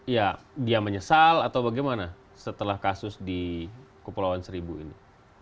ya dia menyesal atau bagaimana setelah kasus di kepulauan seribu ini